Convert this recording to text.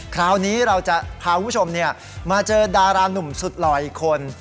คราวนี้เราจะพาผู้ชมเนี่ยมาเจอดาราหนุ่มสุดหลอยคน